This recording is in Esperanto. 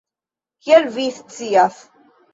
Kiel vi scias?